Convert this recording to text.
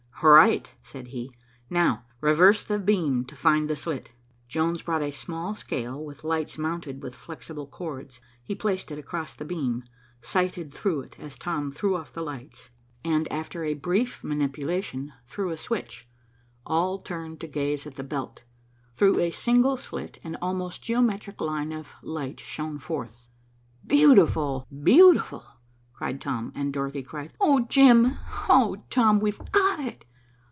"Right," said he. "Now reverse the beam to find the slit." Jones brought a small scale, with lights mounted with flexible cords. He placed it across the beam, sighted through it as Tom threw off the lights, and, after a brief manipulation, threw a switch. All turned to gaze at the belt. Through a single slit an almost geometric line of light shone forth. "Beautiful! beautiful!" cried Tom; and Dorothy cried, "Oh, Jim! oh, Tom! we've got it."